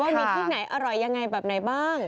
มีที่ไหนอร่อยยังไงแบบไหนบ้าง